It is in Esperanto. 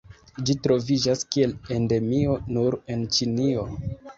Ĝi troviĝas kiel endemio nur en Ĉinio.